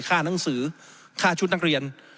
หนังสือค่าชุดนักเรียน